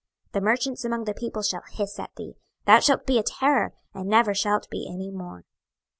26:027:036 The merchants among the people shall hiss at thee; thou shalt be a terror, and never shalt be any more.